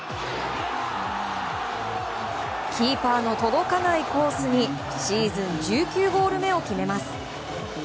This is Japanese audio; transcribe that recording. キーパーの届かないコースにシーズン１９ゴール目を決めます。